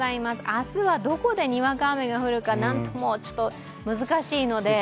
明日はどこでにわか雨が降るか何とも難しいので。